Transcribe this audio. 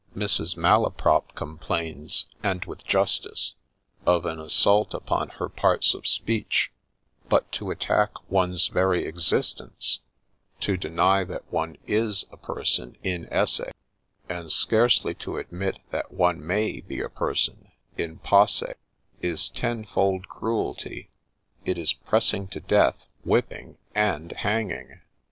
— Mrs. Malaprop complains, and with justice, of an ' assault upon her parts of speech,' but to attack one's very existence — to liv PREFACE TO THE deny that one is a person in esse, and scarcely to admit that one may be a person in posse, is tenfold cruelty ;' it is pressing to death, whipping, and hanging